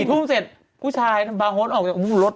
พี่พุ่งเสร็จผู้ชายบาโฮดออกจากพี่พุ่งรถ